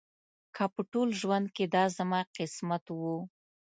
که په ټول ژوند کې دا زما قسمت و.